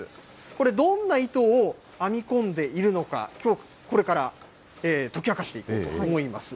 これ、どんな糸を編み込んでいるのか、きょう、これから解き明かしていこうと思います。